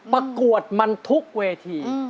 ประกวดมันทุกเวที